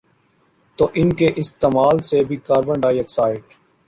تو ان کے استعمال سے بھی کاربن ڈائی آکسائیڈ